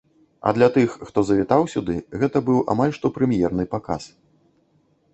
А для тых, хто завітаў сюды, гэта быў амаль што прэм'ерны паказ.